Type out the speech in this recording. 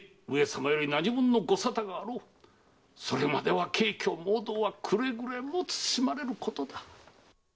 それまでは軽挙妄動はくれぐれも慎まれることだ。